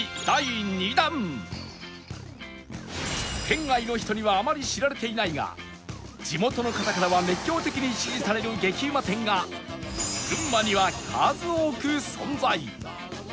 県外の人にはあまり知られていないが地元の方からは熱狂的に支持される激うま店が群馬には数多く存在